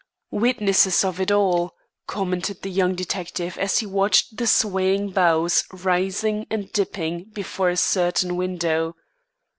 "Witnesses of it all," commented the young detective as he watched the swaying boughs rising and dipping before a certain window.